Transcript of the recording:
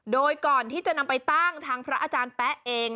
โดยก่อนที่จะนำไปตั้งทางพระอาจารย์แป๊ะเอง